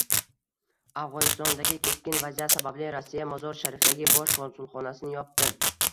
Afg‘onistondagi keskin vaziyat sababli Rossiya Mozori Sharifdagi bosh konsulxonasini yopdi